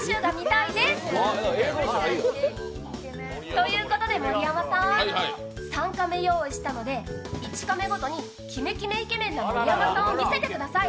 ということで盛山さん３カメ用意したので、１カメごとにキメキメイケメンの盛山さんを見せてください。